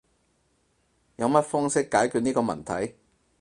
有乜方式解決呢個問題？